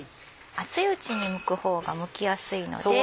熱いうちにむく方がむきやすいので。